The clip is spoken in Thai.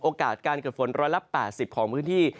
โอกาสการเกิดฝนร้อยละ๘๐ของพื้นที่